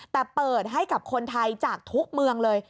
แต่เปิดให้กับคนไทยจากทุกเมืองเลย